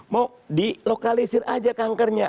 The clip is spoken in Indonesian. mau di lokalisir aja kankernya